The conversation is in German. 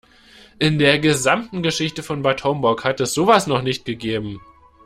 In der gesamten Geschichte von Bad Homburg hat es sowas noch nicht gegeben.